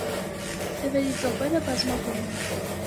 Թևերի ծոպերը բազմագույն են։